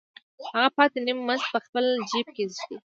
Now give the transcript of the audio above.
هغه پاتې نیم مزد په خپل جېب کې ږدي